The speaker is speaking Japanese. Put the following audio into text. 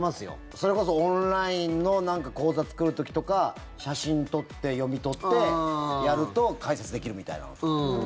それこそオンラインのなんか口座作る時とか写真撮って、読み取ってやると開設できるみたいな。